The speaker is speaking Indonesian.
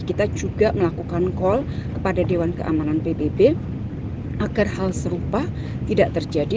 kita juga melakukan call kepada dewan keamanan pbb agar hal serupa tidak terjadi